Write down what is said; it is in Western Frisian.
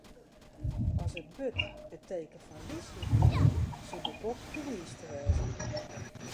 As it burd it teken fan wysheid wie, soe de bok de wiiste wêze.